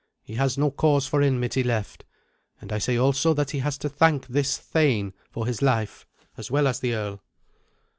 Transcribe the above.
He has no cause for enmity left. And I say also that he has to thank this thane for his life as well as the earl."